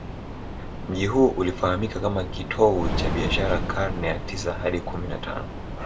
Mji huu ulifahamika kama kitovu cha biashara karne ya tisa hadi kumi na tano